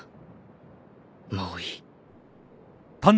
もういい。